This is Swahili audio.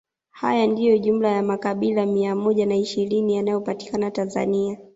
Haya ndiyo jumla ya makabila mia moja na ishirini yanayopatikana Tanzania